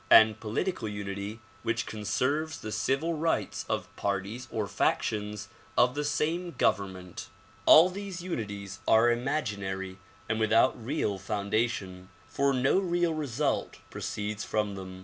and political unity which conserves the civil rights of parties or factions of the same government. All these unities are imaginary and without real foundation, for no real result proceeds from them.